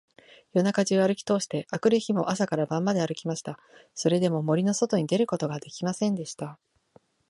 夜中じゅうあるきとおして、あくる日も朝から晩まであるきました。それでも、森のそとに出ることができませんでした。